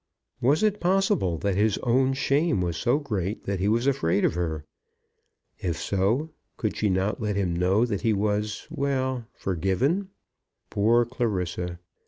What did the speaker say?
Was it possible that his own shame was so great that he was afraid of her? If so, could she not let him know that he was, well, forgiven? Poor Clarissa!